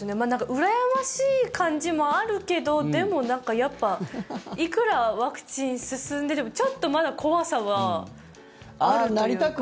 うらやましい感じもあるけどでも、なんかやっぱいくらワクチン進んでてもちょっとまだ怖さはあるというか。